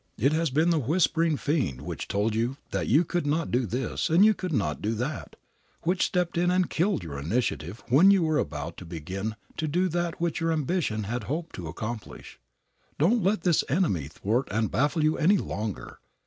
It has been the whispering fiend which told you that you could not do this and you could not do that, which stepped in and killed your initiative when you were about to begin to do that which your ambition had hoped to accomplish. Don't let this enemy thwart and baffle you any longer.